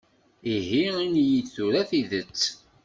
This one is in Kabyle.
Ihi ini-yi-d tura tidet!